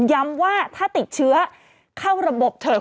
ย้ำว่าถ้าติดเชื้อเข้าระบบเถอะ